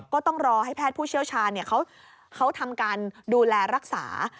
ก็ต้องรอให้แพทย์ผู้เชี่ยวชาญเขาทำการดูแลรักษา